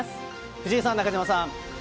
藤井さん、中島さん。